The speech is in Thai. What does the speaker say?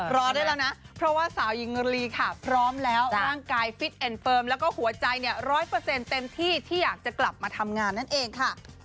รอได้แล้วนะเพราะว่าสาวหญิงลีค่ะพร้อมแล้วร่างกายฟิตเอ็นเฟิร์มแล้วก็หัวใจเนี่ย๑๐๐เต็มที่ที่อยากจะกลับมาทำงานนั่นเองค่ะ